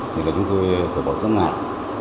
thì là chúng tôi phải bảo tướng lại